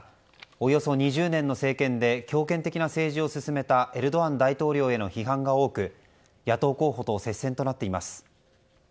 およそ２０年の政権で強権的な政治を進めたエルドアン大統領への批判が多く野党候補と接戦となっています。